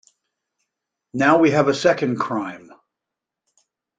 Now we have a second crime.